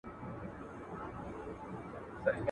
ستا پیغام به د بڼو پر څوکو وړمه.